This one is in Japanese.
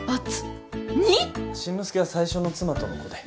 進之介は最初の妻との子で。